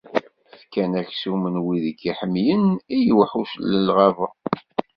Fkan aksum n wid i k-iḥemmlen, i lewḥuc n lɣaba.